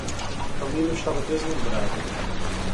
Camilo estava deslumbrado.